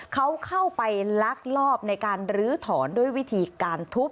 เขาเข้าไปลักลอบในการลื้อถอนด้วยวิธีการทุบ